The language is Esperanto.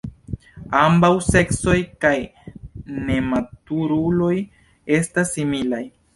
Ambaŭ seksoj kaj nematuruloj estas similaj.